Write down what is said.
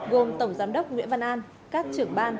gồm tổng giám đốc nguyễn văn an